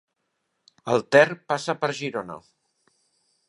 El Ter passa per Girona.